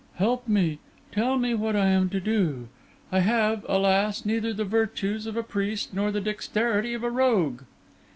"Help me; tell me what I am to do; I have, alas! neither the virtues of a priest nor the dexterity of a rogue."